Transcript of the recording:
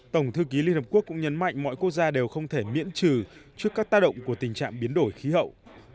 tổng thư ký liên hợp quốc cũng nhấn mạnh mọi quốc gia đều không thể miễn trừ trước các tác động của tình trạng biến đổi khí hậu